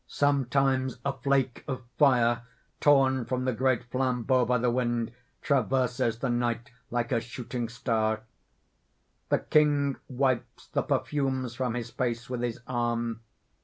Sometimes a flake of fire torn from the great flambeaux by the wind, traverses the night like a shooting star._ _The king wipes the perfumes from his face with his arm.